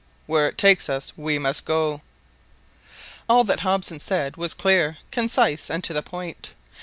Where it takes us we must go." All that Hobson said was clear, concise, and to the point.